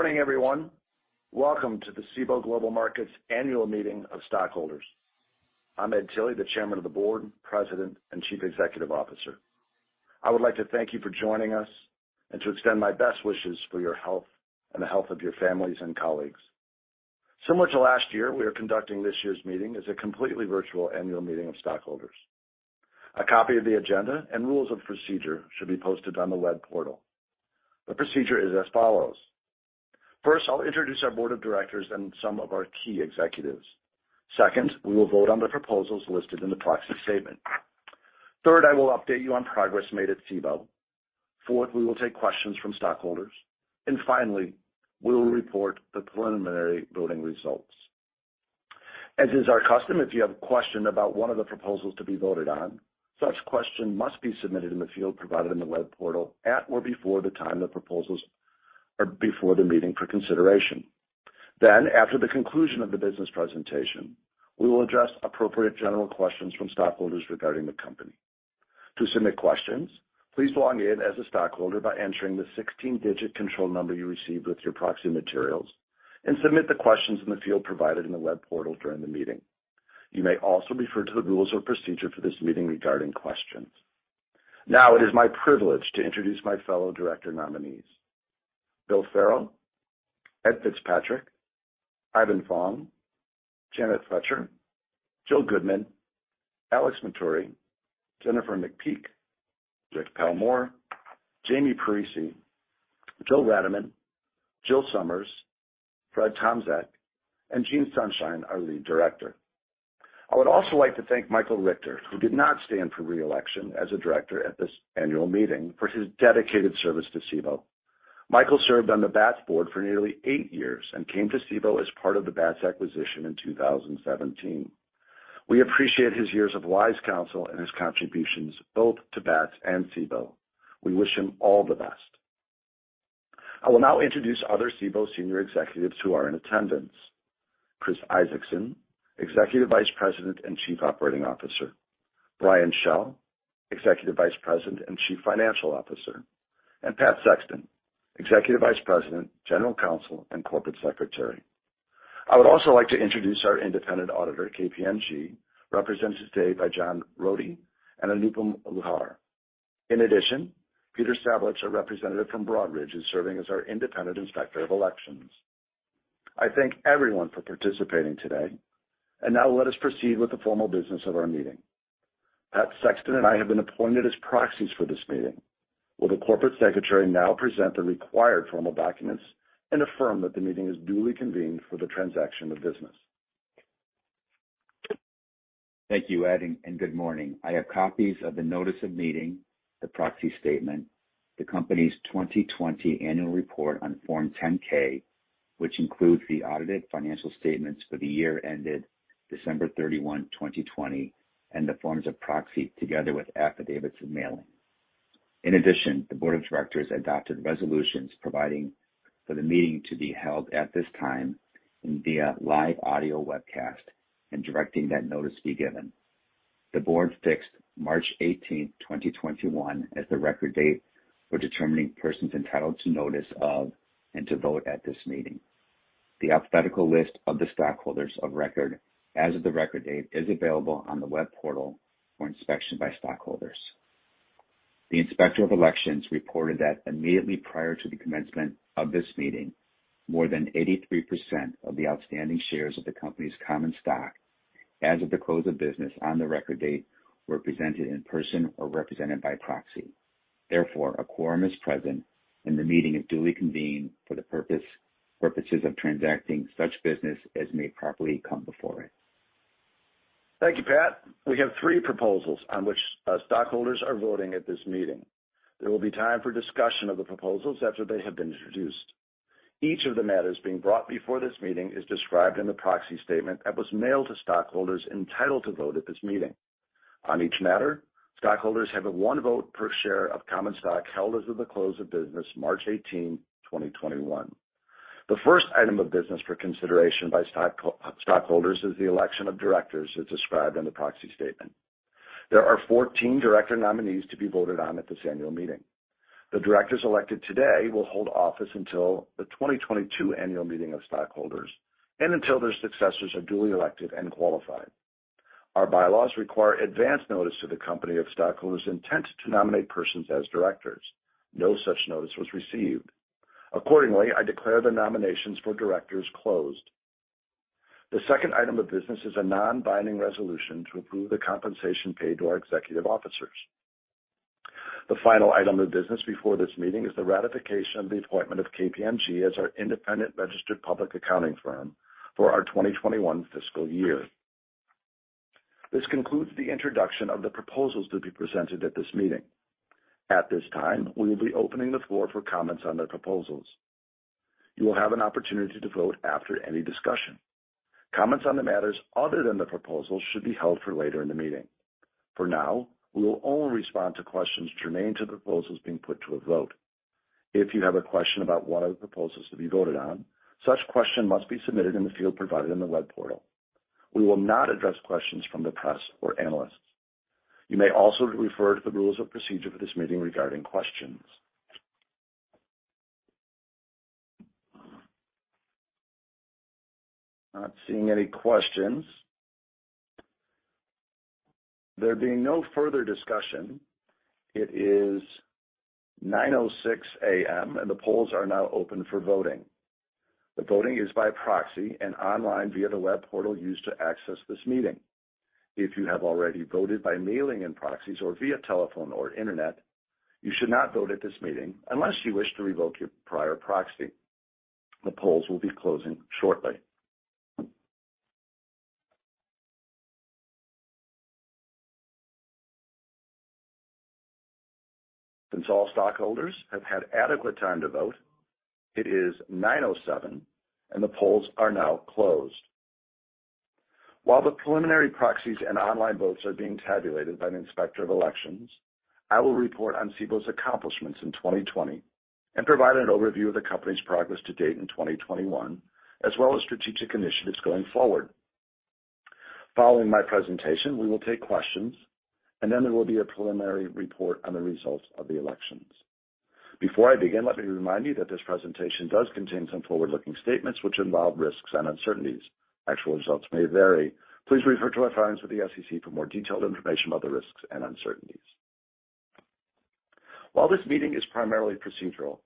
Good morning, everyone. Welcome to the Cboe Global Markets annual meeting of stockholders. I'm Ed Tilly, the Chairman of the Board, President, and Chief Executive Officer. I would like to thank you for joining us and to extend my best wishes for your health and the health of your families and colleagues. Similar to last year, we are conducting this year's meeting as a completely virtual annual meeting of stockholders. A copy of the agenda and rules of procedure should be posted on the web portal. The procedure is as follows. First, I'll introduce our board of directors and some of our key executives. Second, we will vote on the proposals listed in the proxy statement. Third, I will update you on progress made at Cboe. Fourth, we will take questions from stockholders, and finally, we will report the preliminary voting results. As is our custom, if you have a question about one of the proposals to be voted on, such question must be submitted in the field provided in the web portal at or before the time the proposals are before the meeting for consideration. After the conclusion of the business presentation, we will address appropriate general questions from stockholders regarding the company. To submit questions, please log in as a stockholder by entering the 16-digit control number you received with your proxy materials and submit the questions in the field provided in the web portal during the meeting. You may also refer to the rules of procedure for this meeting regarding questions. Now it is my privilege to introduce my fellow director nominees. William M. Farrow III, Edward J. Fitzpatrick, Ivan K. Fong, Janet P. Froetscher, Jill R. Goodman, Alexander J. Matturri, Jr., Jennifer McPeek, Roderick A. Palmore, James E. Parisi, Joseph P. Ratterman, Jill E. Sommers, Fredric J. Tomczyk, and Eugene S. Sunshine, our Lead Director. I would also like to thank Michael L. Richter, who did not stand for re-election as a director at this annual meeting, for his dedicated service to Cboe. Michael served on the Bats board for nearly eight years and came to Cboe as part of the Bats acquisition in 2017. We appreciate his years of wise counsel and his contributions both to Bats and Cboe. We wish him all the best. I will now introduce other Cboe senior executives who are in attendance. Chris Isaacson, Executive Vice President and Chief Operating Officer. Brian Schell, Executive Vice President and Chief Financial Officer, and Patrick Sexton, Executive Vice President, General Counsel and Corporate Secretary. I would also like to introduce our independent auditor, KPMG, represented today by John Rhode and Anupam Luhar. In addition, Peter Savitch, a representative from Broadridge, is serving as our independent inspector of elections. I thank everyone for participating today. Now let us proceed with the formal business of our meeting. Pat Sexton and I have been appointed as proxies for this meeting. Will the corporate secretary now present the required formal documents and affirm that the meeting is duly convened for the transaction of business? Thank you, Ed, and good morning. I have copies of the notice of meeting, the proxy statement, the company's 2020 annual report on Form 10-K, which includes the audited financial statements for the year ended December 31, 2020, and the forms of proxy, together with affidavits of mailing. In addition, the board of directors adopted resolutions providing for the meeting to be held at this time via live audio webcast, and directing that notice be given. The board fixed March 18, 2021, as the record date for determining persons entitled to notice of, and to vote at this meeting. The alphabetical list of the stockholders of record as of the record date is available on the web portal for inspection by stockholders. The inspector of elections reported that immediately prior to the commencement of this meeting, more than 83% of the outstanding shares of the company's common stock, as of the close of business on the record date, were presented in person or represented by proxy. Therefore, a quorum is present in the meeting of duly convened for the purposes of transacting such business as may properly come before it. Thank you, Pat. We have three proposals on which stockholders are voting at this meeting. There will be time for discussion of the proposals after they have been introduced. Each of the matters being brought before this meeting is described in the proxy statement that was mailed to stockholders entitled to vote at this meeting On each matter, stockholders have one vote per share of common stock held as of the close of business March eighteenth, 2021. The first item of business for consideration by stockholders is the election of directors as described in the proxy statement. There are 14 director nominees to be voted on at this annual meeting. The directors elected today will hold office until the 2022 annual meeting of stockholders and until their successors are duly elected and qualified. Our bylaws require advance notice to the company of stockholders' intent to nominate persons as directors. No such notice was received. Accordingly, I declare the nominations for directors closed. The second item of business is a non-binding resolution to approve the compensation paid to our executive officers. The final item of business before this meeting is the ratification of the appointment of KPMG as our independent registered public accounting firm for our 2021 fiscal year. This concludes the introduction of the proposals to be presented at this meeting. At this time, we will be opening the floor for comments on the proposals. You will have an opportunity to vote after any discussion. Comments on the matters other than the proposals should be held for later in the meeting. For now, we will only respond to questions germane to the proposals being put to a vote. If you have a question about one of the proposals to be voted on, such question must be submitted in the field provided in the web portal. We will not address questions from the press or analysts. You may also refer to the rules of procedure for this meeting regarding questions. Not seeing any questions. There being no further discussion, it is 9:06 A.M., and the polls are now open for voting. The voting is by proxy and online via the web portal used to access this meeting. If you have already voted by mailing in proxies or via telephone or internet, you should not vote at this meeting unless you wish to revoke your prior proxy. The polls will be closing shortly. Since all stockholders have had adequate time to vote, it is 9:07 A.M., and the polls are now closed. While the preliminary proxies and online votes are being tabulated by an inspector of elections, I will report on Cboe's accomplishments in 2020 and provide an overview of the company's progress to date in 2021, as well as strategic initiatives going forward. Following my presentation, we will take questions, and then there will be a preliminary report on the results of the elections. Before I begin, let me remind you that this presentation does contain some forward-looking statements which involve risks and uncertainties. Actual results may vary. Please refer to our filings with the SEC for more detailed information about the risks and uncertainties. While this meeting is primarily procedural,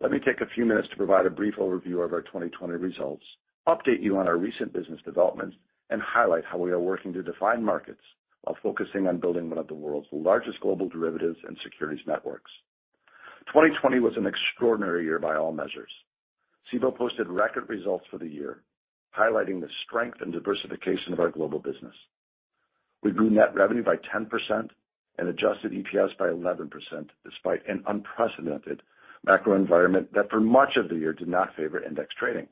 let me take a few minutes to provide a brief overview of our 2020 results, update you on our recent business developments, and highlight how we are working to define markets while focusing on building one of the world's largest global derivatives and securities networks. 2020 was an extraordinary year by all measures. Cboe posted record results for the year, highlighting the strength and diversification of our global business. We grew net revenue by 10% and adjusted EPS by 11%, despite an unprecedented macro environment that for much of the year did not favor index trading.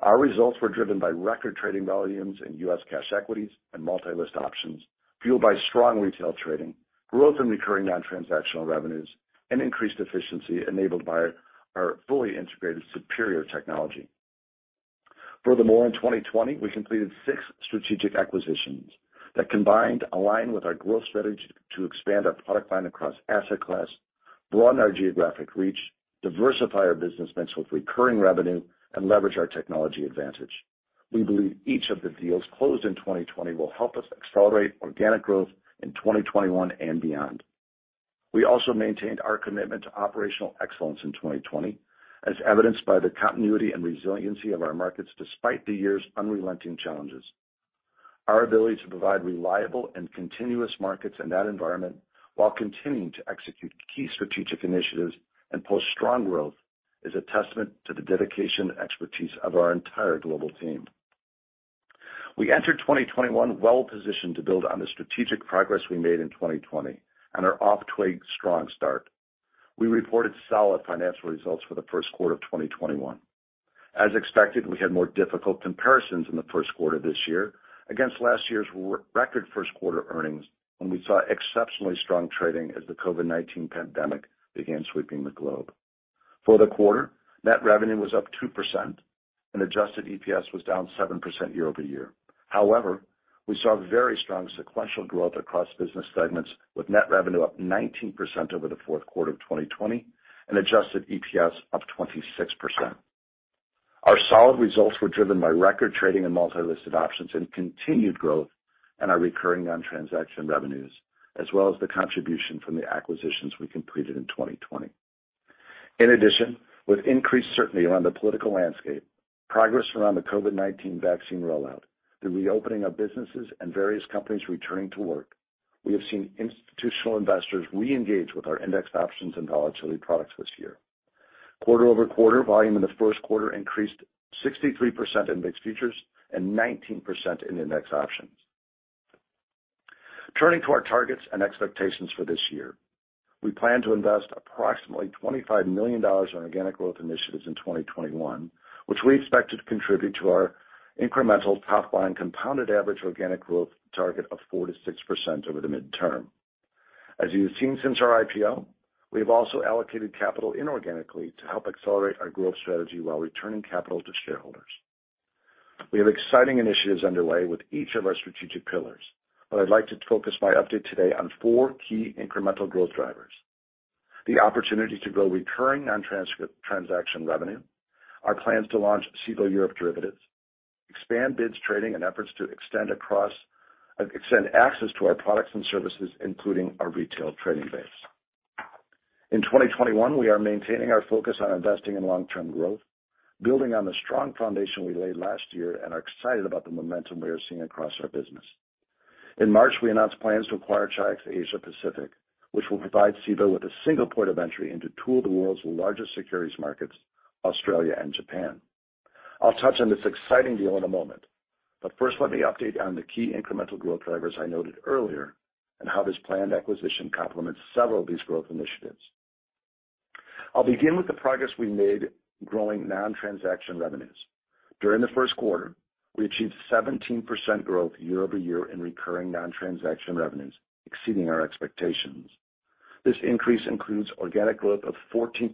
Our results were driven by record trading volumes in U.S. cash equities and multi-listed options, fueled by strong retail trading, growth in recurring non-transactional revenues, and increased efficiency enabled by our fully integrated superior technology. Furthermore, in 2020, we completed six strategic acquisitions that combined align with our growth strategy to expand our product line across asset class, broaden our geographic reach, diversify our business mix with recurring revenue, and leverage our technology advantage. We believe each of the deals closed in 2020 will help us accelerate organic growth in 2021 and beyond. We also maintained our commitment to operational excellence in 2020, as evidenced by the continuity and resiliency of our markets despite the year's unrelenting challenges. Our ability to provide reliable and continuous markets in that environment while continuing to execute key strategic initiatives and post strong growth is a testament to the dedication and expertise of our entire global team. We entered 2021 well-positioned to build on the strategic progress we made in 2020 and are off to a strong start. We reported solid financial results for the first quarter of 2021. As expected, we had more difficult comparisons in the first quarter this year against last year's record first quarter earnings, when we saw exceptionally strong trading as the COVID-19 pandemic began sweeping the globe. For the quarter, net revenue was up 2% and adjusted EPS was down 7% year-over-year. However, we saw very strong sequential growth across business segments, with net revenue up 19% over the fourth quarter of 2020 and adjusted EPS up 26%. Our solid results were driven by record trading and multi-listed options and continued growth in our recurring non-transaction revenues, as well as the contribution from the acquisitions we completed in 2020. In addition, with increased certainty around the political landscape, progress around the COVID-19 vaccine rollout, the reopening of businesses, and various companies returning to work, we have seen institutional investors re-engage with our index options and volatility products this year. Quarter-over-quarter, volume in the first quarter increased 63% in index futures and 19% in index options. Turning to our targets and expectations for this year, we plan to invest approximately $25 million on organic growth initiatives in 2021, which we expect to contribute to our incremental top-line compounded average organic growth target of 4%-6% over the midterm. As you have seen since our IPO, we have also allocated capital inorganically to help accelerate our growth strategy while returning capital to shareholders. I'd like to focus my update today on four key incremental growth drivers. The opportunity to grow recurring non-transaction revenue, our plans to launch Cboe Europe Derivatives, expand BIDS Trading, and efforts to extend access to our products and services, including our retail trading base. In 2021, we are maintaining our focus on investing in long-term growth, building on the strong foundation we laid last year, and are excited about the momentum we are seeing across our business. In March, we announced plans to acquire Chi-X Asia Pacific, which will provide Cboe with a single point of entry into two of the world's largest securities markets, Australia and Japan. I'll touch on this exciting deal in a moment, but first let me update on the key incremental growth drivers I noted earlier and how this planned acquisition complements several of these growth initiatives. I'll begin with the progress we made growing non-transaction revenues. During the first quarter, we achieved 17% growth year-over-year in recurring non-transaction revenues, exceeding our expectations. This increase includes organic growth of 14%.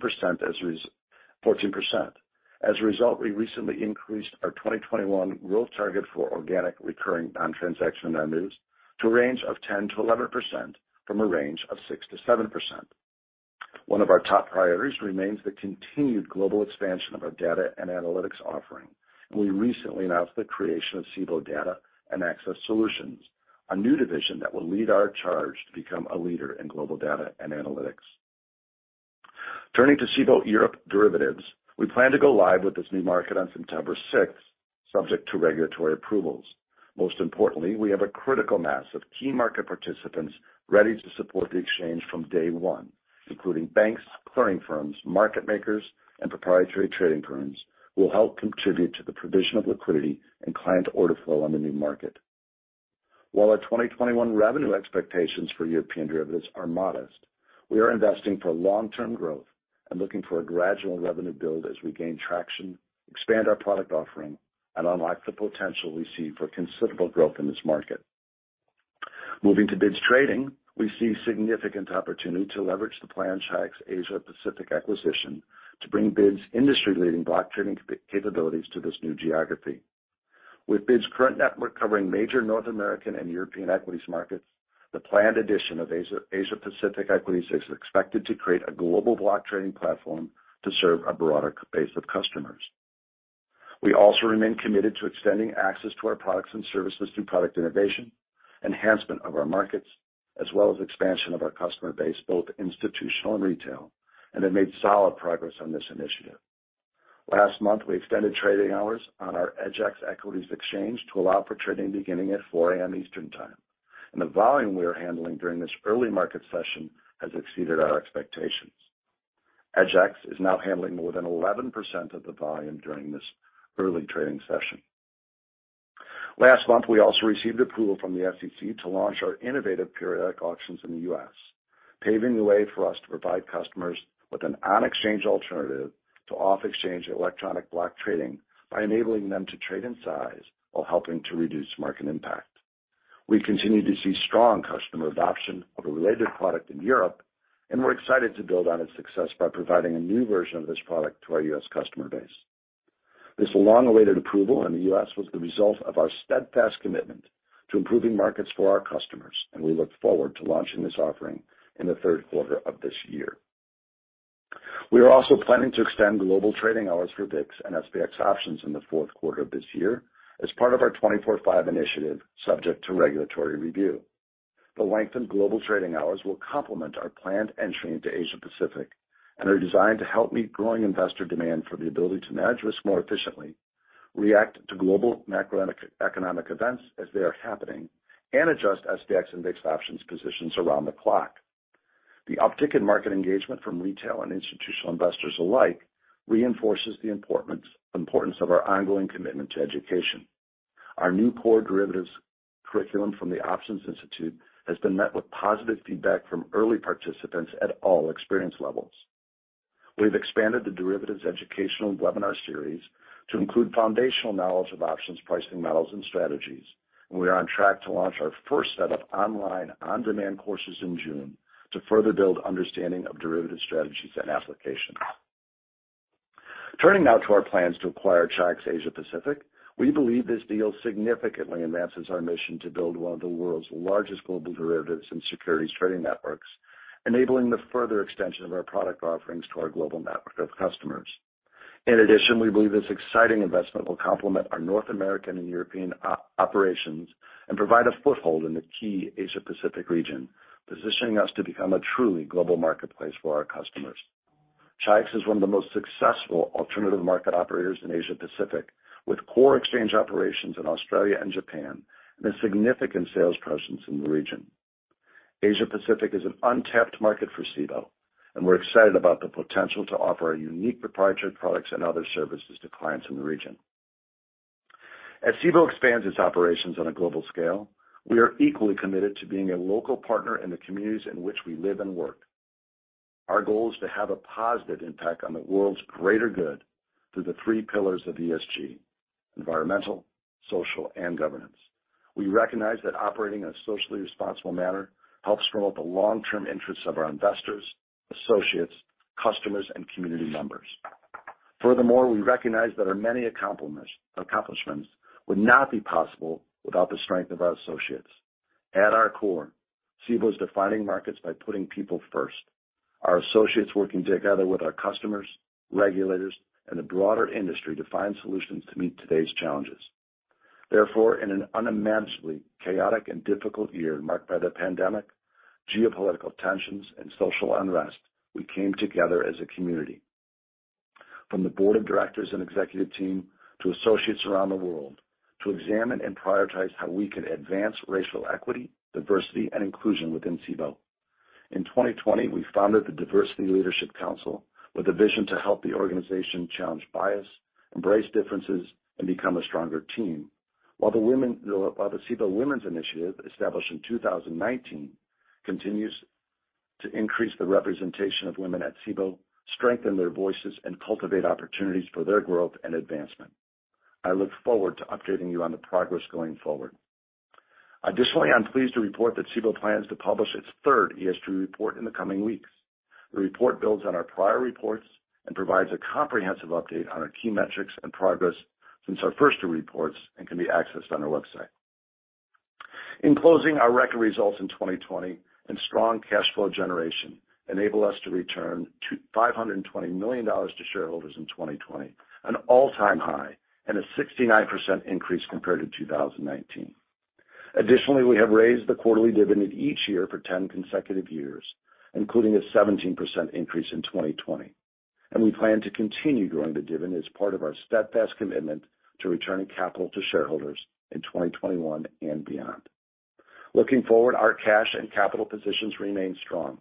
As a result, we recently increased our 2021 growth target for organic recurring non-transaction revenues to a range of 10%-11%, from a range of 6%-7%. One of our top priorities remains the continued global expansion of our data and analytics offering, and we recently announced the creation of Cboe Data and Access Solutions, a new division that will lead our charge to become a leader in global data and analytics. Turning to Cboe Europe Derivatives, we plan to go live with this new market on September 6th, subject to regulatory approvals. Most importantly, we have a critical mass of key market participants ready to support the exchange from day one, including banks, clearing firms, market makers, and proprietary trading firms who will help contribute to the provision of liquidity and client order flow on the new market. While our 2021 revenue expectations for European derivatives are modest, we are investing for long-term growth and looking for a gradual revenue build as we gain traction, expand our product offering, and unlock the potential we see for considerable growth in this market. Moving to BIDS Trading, we see significant opportunity to leverage the planned Chi-X Asia Pacific acquisition to bring BIDS' industry-leading block trading capabilities to this new geography. With BIDS' current network covering major North American and European equities markets, the planned addition of Asia Pacific equities is expected to create a global block trading platform to serve a broader base of customers. We also remain committed to extending access to our products and services through product innovation, enhancement of our markets, as well as expansion of our customer base, both institutional and retail, and have made solid progress on this initiative. Last month, we extended trading hours on our EDGX equities exchange to allow for trading beginning at 4:00 a.m. Eastern Time. The volume we are handling during this early market session has exceeded our expectations. EDGX is now handling more than 11% of the volume during this early trading session. Last month, we also received approval from the SEC to launch our innovative Periodic Auctions in the U.S., paving the way for us to provide customers with an on-exchange alternative to off-exchange electronic block trading by enabling them to trade in size while helping to reduce market impact. We continue to see strong customer adoption of a related product in Europe. We're excited to build on its success by providing a new version of this product to our U.S. customer base. This long-awaited approval in the U.S. was the result of our steadfast commitment to improving markets for our customers. We look forward to launching this offering in the third quarter of this year. We are also planning to extend global trading hours for VIX and SPX options in the fourth quarter of this year as part of our 24/5 initiative, subject to regulatory review. The lengthened global trading hours will complement our planned entry into Asia Pacific and are designed to help meet growing investor demand for the ability to manage risk more efficiently, react to global macroeconomic events as they are happening, and adjust SPX index options positions around the clock. The uptick in market engagement from retail and institutional investors alike reinforces the importance of our ongoing commitment to education. Our new core derivatives curriculum from The Options Institute has been met with positive feedback from early participants at all experience levels. We've expanded the derivatives educational webinar series to include foundational knowledge of options pricing models and strategies. We are on track to launch our first set of online on-demand courses in June to further build understanding of derivative strategies and applications. Turning now to our plans to acquire Chi-X Asia Pacific, we believe this deal significantly advances our mission to build one of the world's largest global derivatives and securities trading networks, enabling the further extension of our product offerings to our global network of customers. We believe this exciting investment will complement our North American and European operations and provide a foothold in the key Asia Pacific region, positioning us to become a truly global marketplace for our customers. Chi-X is one of the most successful alternative market operators in Asia Pacific, with core exchange operations in Australia and Japan, and a significant sales presence in the region. We're excited about the potential to offer our unique proprietary products and other services to clients in the region. As Cboe expands its operations on a global scale, we are equally committed to being a local partner in the communities in which we live and work. Our goal is to have a positive impact on the world's greater good through the three pillars of ESG: environmental, social, and governance. We recognize that operating in a socially responsible manner helps promote the long-term interests of our investors, associates, customers, and community members. Furthermore, we recognize that our many accomplishments would not be possible without the strength of our associates. At our core, Cboe's defining markets by putting people first, our associates working together with our customers, regulators, and the broader industry to find solutions to meet today's challenges. Therefore, in an unimaginably chaotic and difficult year marked by the pandemic, geopolitical tensions, and social unrest, we came together as a community, from the board of directors and executive team to associates around the world, to examine and prioritize how we could advance racial equity, diversity, and inclusion within Cboe. In 2020, we founded the Diversity Leadership Council with a vision to help the organization challenge bias, embrace differences, and become a stronger team. While the Cboe Women's Initiative, established in 2019, continues to increase the representation of women at Cboe, strengthen their voices, and cultivate opportunities for their growth and advancement. I look forward to updating you on the progress going forward. I'm pleased to report that Cboe plans to publish its third ESG report in the coming weeks. The report builds on our prior reports and provides a comprehensive update on our key metrics and progress since our first two reports and can be accessed on our website. In closing, our record results in 2020 and strong cash flow generation enable us to return $520 million to shareholders in 2020, an all-time high and a 69% increase compared to 2019. We have raised the quarterly dividend each year for 10 consecutive years, including a 17% increase in 2020. We plan to continue growing the dividend as part of our steadfast commitment to returning capital to shareholders in 2021 and beyond. Looking forward, our cash and capital positions remain strong.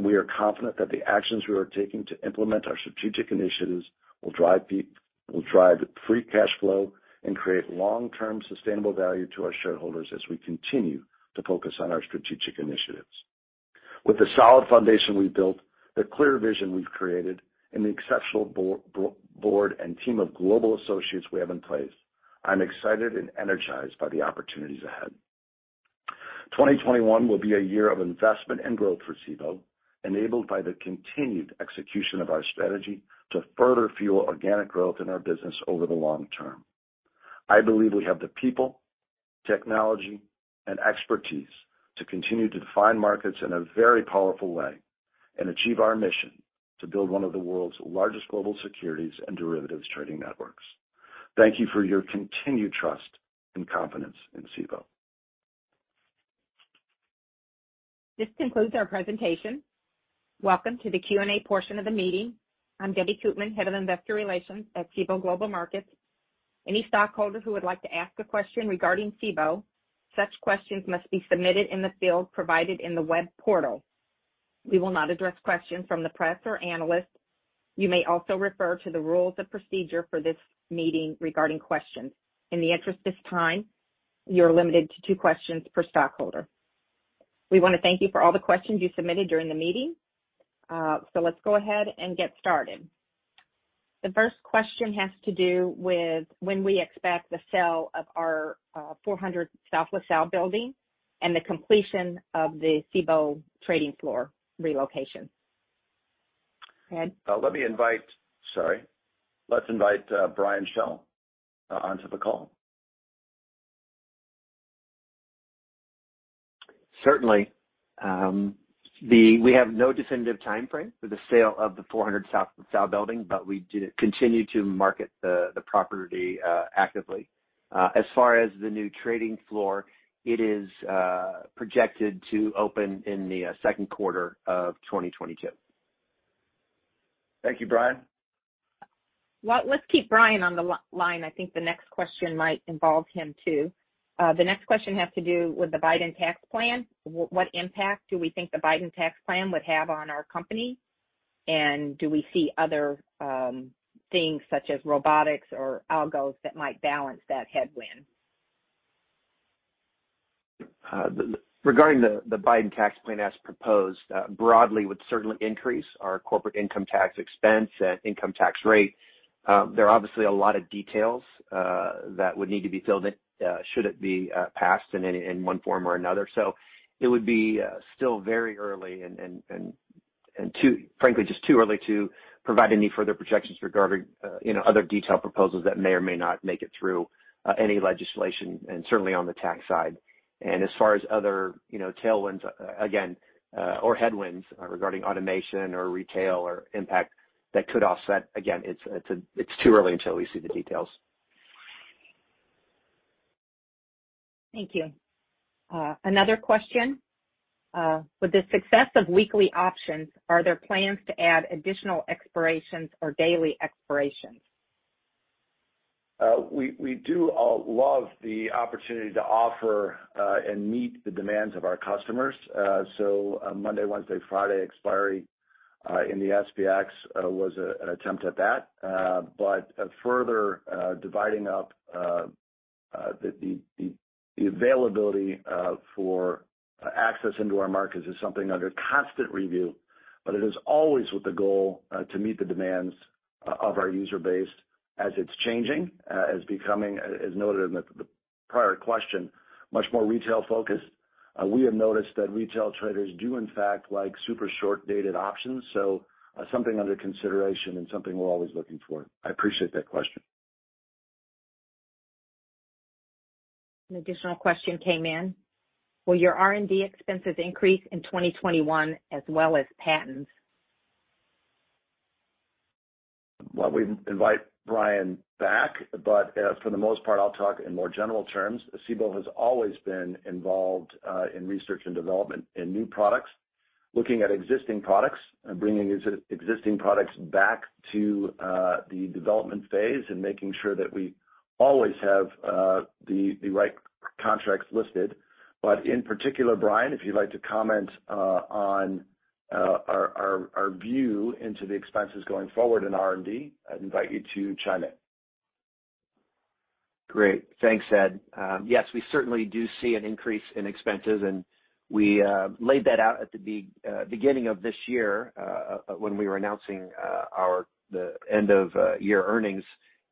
We are confident that the actions we are taking to implement our strategic initiatives will drive free cash flow and create long-term sustainable value to our shareholders as we continue to focus on our strategic initiatives. With the solid foundation we've built, the clear vision we've created, and the exceptional board and team of global associates we have in place, I'm excited and energized by the opportunities ahead. 2021 will be a year of investment and growth for Cboe, enabled by the continued execution of our strategy to further fuel organic growth in our business over the long-term. I believe we have the people, technology, and expertise to continue to define markets in a very powerful way and achieve our mission to build one of the world's largest global securities and derivatives trading networks. Thank you for your continued trust and confidence in Cboe. This concludes our presentation. Welcome to the Q&A portion of the meeting. I'm Debbie Koopman, Head of Investor Relations at Cboe Global Markets. Any stockholders who would like to ask a question regarding Cboe, such questions must be submitted in the field provided in the web portal. We will not address questions from the press or analysts. You may also refer to the rules of procedure for this meeting regarding questions. In the interest of time, you're limited to two questions per stockholder. We want to thank you for all the questions you submitted during the meeting. Let's go ahead and get started. The first question has to do with when we expect the sale of our 400 South LaSalle building and the completion of the Cboe trading floor relocation. Go ahead. Sorry. Let's invite Brian Schell onto the call. Certainly. We have no definitive timeframe for the sale of the 400 South LaSalle building, but we do continue to market the property actively. As far as the new trading floor, it is projected to open in the second quarter of 2022. Thank you, Brian. Let's keep Brian on the line. I think the next question might involve him, too. The next question has to do with the Biden tax plan. What impact do we think the Biden tax plan would have on our company? Do we see other things such as robotics or algos that might balance that headwind? Regarding the Biden tax plan as proposed, broadly would certainly increase our corporate income tax expense and income tax rate. There are obviously a lot of details that would need to be filled in should it be passed in one form or another. It would be still very early and frankly, just too early to provide any further projections regarding other detailed proposals that may or may not make it through any legislation and certainly on the tax side. As far as other tailwinds, again, or headwinds regarding automation or retail or impact that could offset, again, it's too early until we see the details. Thank you. Another question. With the success of Weekly options, are there plans to add additional expirations or daily expirations? We do love the opportunity to offer and meet the demands of our customers. Monday, Wednesday, Friday expiry in the SPX was an attempt at that. Further dividing up the availability for access into our markets is something under constant review, but it is always with the goal to meet the demands of our user base as it's changing, as noted in the prior question, much more retail-focused. We have noticed that retail traders do in fact like super short-dated options, so something under consideration and something we're always looking for. I appreciate that question. An additional question came in. Will your R&D expenses increase in 2021 as well as patents? We invite Brian back, but for the most part, I'll talk in more general terms. Cboe has always been involved in research and development in new products, looking at existing products, bringing existing products back to the development phase, and making sure that we always have the right contracts listed. In particular, Brian, if you'd like to comment on our view into the expenses going forward in R&D, I'd invite you to chime in. Great. Thanks, Ed. We certainly do see an increase in expenses, and we laid that out at the beginning of this year when we were announcing the end of year earnings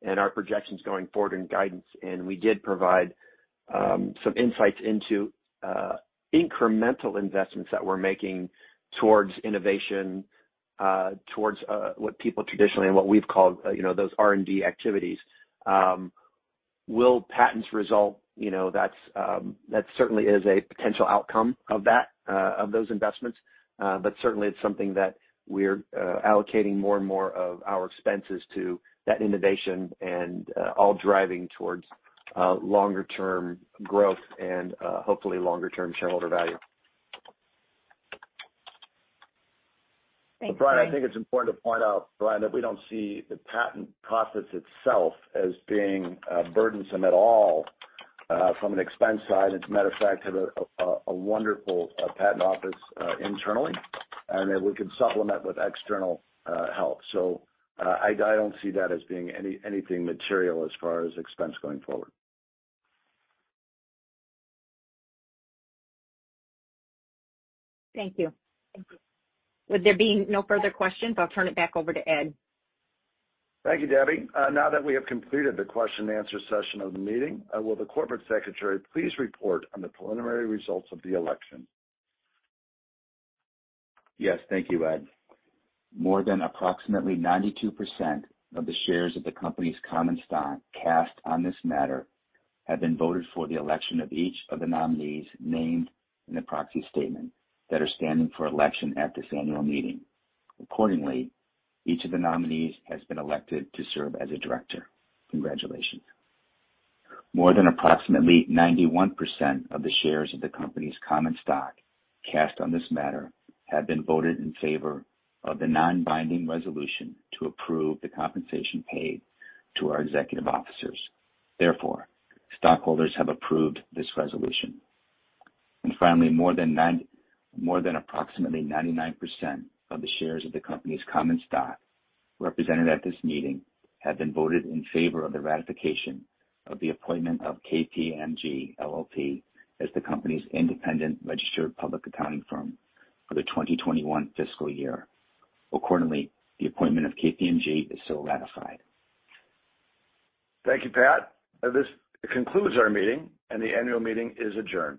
and our projections going forward in guidance. We did provide some insights into incremental investments that we're making towards innovation, towards what people traditionally and what we've called those R&D activities. Will patents result? That certainly is a potential outcome of those investments. Certainly it's something that we're allocating more and more of our expenses to that innovation and all driving towards longer term growth and hopefully longer term shareholder value. Thanks. Brian, I think it's important to point out, Brian, that we don't see the patent process itself as being burdensome at all from an expense side. As a matter of fact, have a wonderful patent office internally, and that we can supplement with external help. I don't see that as being anything material as far as expense going forward. Thank you. With there being no further questions, I will turn it back over to Ed. Thank you, Debbie. Now that we have completed the question and answer session of the meeting, will the Corporate Secretary please report on the preliminary results of the election? Yes, thank you, Ed. More than approximately 92% of the shares of the company's common stock cast on this matter have been voted for the election of each of the nominees named in the proxy statement that are standing for election at this annual meeting. Accordingly, each of the nominees has been elected to serve as a director. Congratulations. More than approximately 91% of the shares of the company's common stock cast on this matter have been voted in favor of the non-binding resolution to approve the compensation paid to our executive officers. Therefore, stockholders have approved this resolution. Finally, more than approximately 99% of the shares of the company's common stock represented at this meeting have been voted in favor of the ratification of the appointment of KPMG LLP as the company's independent registered public accounting firm for the 2021 fiscal year. The appointment of KPMG is so ratified. Thank you, Pat. This concludes our meeting, and the annual meeting is adjourned.